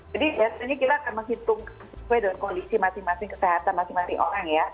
jadi biasanya kita akan menghitung kondisi masing masing kesehatan masing masing orang ya